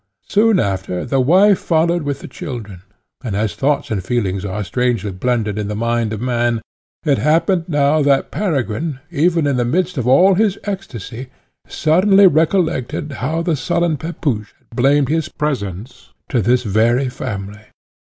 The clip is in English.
Soon after the wife followed with the children, and as thoughts and feelings are strangely blended in the mind of man, it happened now that Peregrine, even in the midst of all his ecstasy, suddenly recollected how the sullen Pepusch had blamed his presents to this very family.